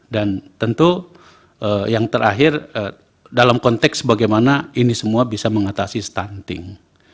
dan tentu yang terakhir dalam konteks bagaimana ini semua bisa mengatasi stunting